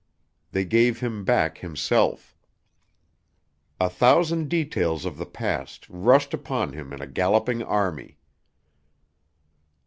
They gave him back himself. A thousand details of the past rushed upon him in a galloping army.